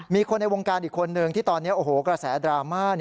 มีคนในวงการอีกคนนึงที่ตอนนี้กระแสดราม่า